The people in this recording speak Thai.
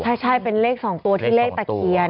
ใช่เป็นเลข๒ตัวที่เลขตะเคียน